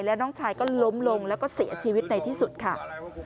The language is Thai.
แล้วน้องชายก็ล้มลงแล้วก็เสียชีวิตในที่สุดค่ะ